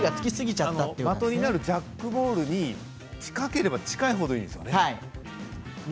ジャックボールに近ければ近いほどいいですね。